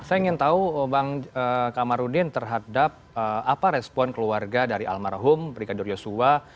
saya ingin tahu bang kamarudin terhadap apa respon keluarga dari almarhum brigadir yosua